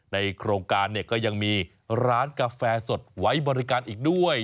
ในโครงการเนี่ยก็ยังมีร้านกาแฟสดไว้บริการอีกด้วย